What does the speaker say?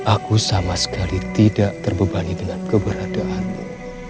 aku sama sekali tidak terbebani dengan keberadaanmu